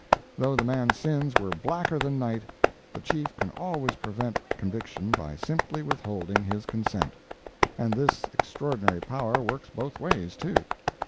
Though the man's sins were blacker than night, the chief can always prevent conviction by simply with holding his consent. And this extraordinary power works both ways, too.